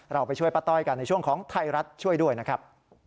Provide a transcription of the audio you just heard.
ไปช่วยป้าต้อยกันในช่วงของไทยรัฐช่วยด้วยนะครับ